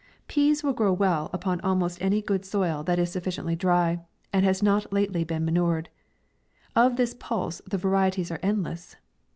. PEAS will grow well upon almost any good soil that 98 max is sufficiently dry, and has not lately been manured. Of this pulse the varieties are endless.